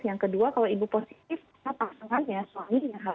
yang kedua kalau ibu positif kita paksakan ya suaminya